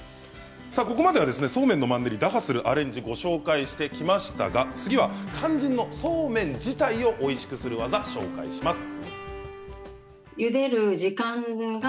ここまではそうめんのマンネリを打破するアレンジをご紹介してきましたが、次は肝心のそうめん自体をおいしくする技を紹介します。